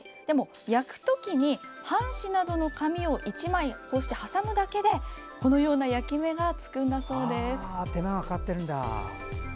でも焼くときに半紙などの紙を１枚こうして挟むだけでこのような焼き目がつくんだそうです。